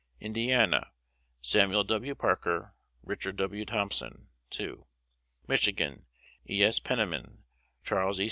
Indiana: Sam'l W. Parker, Richard W. Thompson 2. Michigan: E. S. Penniman, Charles E.